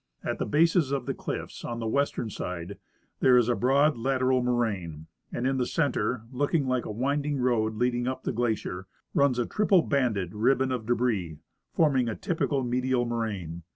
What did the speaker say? At the bases of the cliffs on the western side there is a broad, lateral moraine, and in the center, looking like a winding road leading up the glacier, runs a triple banded ribbon of debris, forming a typical medial moraine.